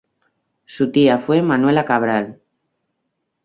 Su tía fue Manuela Cabral.